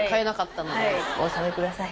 お収めください